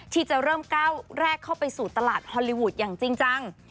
ที่จะเริ่มก้าวแรกเข้าไปสู่ตลาดฮอลลีวูดอย่างจริงจัง